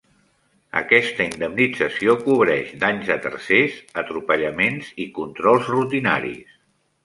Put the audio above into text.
Aquesta indemnització cobreix danys a tercers, atropellaments i controls rutinaris.